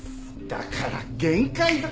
だから限界だ。